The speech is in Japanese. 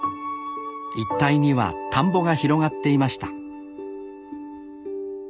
一帯には田んぼが広がっていました